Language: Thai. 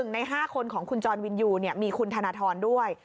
ใน๕คนของคุณจรวินยูมีคุณธนทรด้วย